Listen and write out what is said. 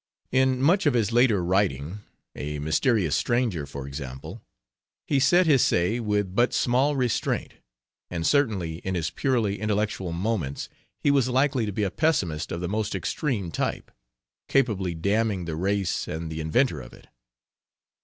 In much of his later writing A Mysterious Stranger for example he said his say with but small restraint, and certainly in his purely intellectual moments he was likely to be a pessimist of the most extreme type, capably damning the race and the inventor of it.